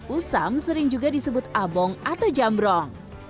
usam sering juga disebut abong atau jambrong